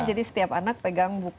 jadi setiap anak pegang